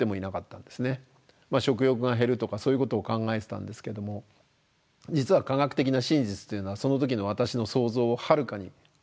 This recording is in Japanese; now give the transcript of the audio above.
食欲が減るとかそういうことを考えてたんですけども実は科学的な真実というのはその時の私の想像をはるかに超えていました。